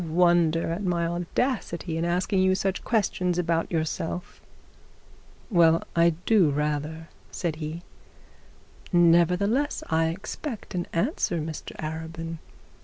You wonder at my audacity in asking you such questions about yourself.' 'Well, I do rather,' said he. 'Nevertheless I expect an answer, Mr Arabin.